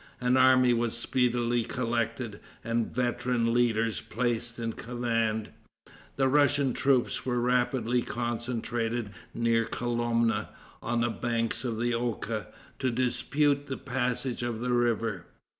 An army was speedily collected, and veteran leaders placed in command. The Russian troops were rapidly concentrated near Kolomna, on the banks of the Oka, to dispute the passage of the river.